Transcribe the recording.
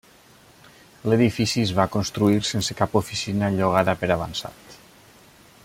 L'edifici es va construir sense cap oficina llogada per avançat.